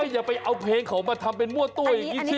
อย่าไปเอาเพลงเขามาทำเป็นมั่วตัวอย่างนี้สิ